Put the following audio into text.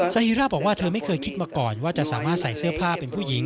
ฮีร่าบอกว่าเธอไม่เคยคิดมาก่อนว่าจะสามารถใส่เสื้อผ้าเป็นผู้หญิง